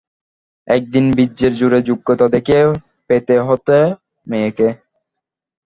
একদিন বীর্যের জোরে যোগ্যতা দেখিয়ে পেতে হত মেয়েকে।